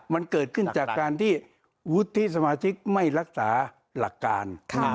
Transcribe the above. มันเกิดขึ้นจากการที่วุฒิสมาชิกไม่รักษาหลักการ